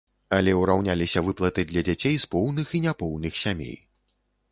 Але ўраўняліся выплаты для дзяцей з поўных і няпоўных сямей.